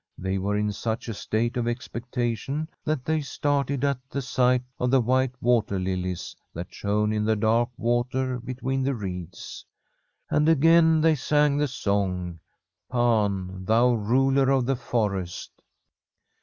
They were in such a state of expectation that they started at the sight of the white water lilies that shone in the dark water between the reeds. And again they sang the song, ' Pan, thou ruler of the forest